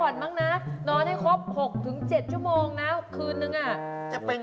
อย่าไปนอนที่กลางคืนดูข่าว